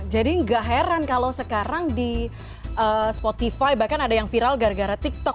jadi gak heran kalau sekarang di spotify bahkan ada yang viral gara gara tiktok